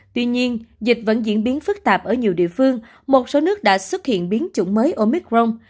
tuy nhiên dịch vẫn diễn biến phức tạp ở nhiều địa phương một số nước đã xuất hiện biến chủng mới ở micron